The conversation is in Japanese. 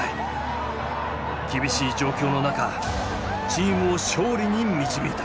厳しい状況の中チームを勝利に導いた。